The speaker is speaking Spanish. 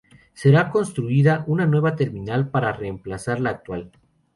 Será construida una nueva terminal, para reemplazar a la actual.